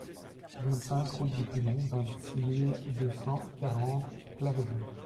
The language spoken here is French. vingt-cinq route du Pilon, vingt-six mille deux cent quarante Claveyson